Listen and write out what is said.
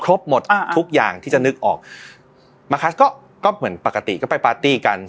หมดอ่าทุกอย่างที่จะนึกออกมาคัสก็ก็เหมือนปกติก็ไปปาร์ตี้กัน